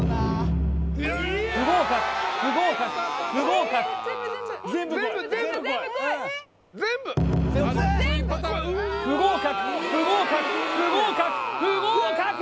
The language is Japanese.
不合格不合格不合格不合格不合格不合格不合格！